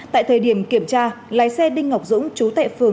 tại thời điểm kiểm tra lái xe đinh ngọc dũng chú tệ phường